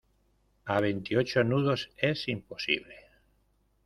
a veintiocho nudos es imposible.